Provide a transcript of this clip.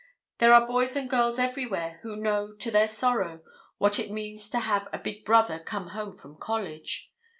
There are boys and girls everywhere who know, to their sorrow, what it means to have the big brother come home from college.